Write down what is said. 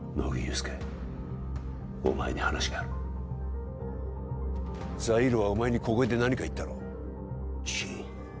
助お前に話があるザイールはお前に小声で何か言ったろ？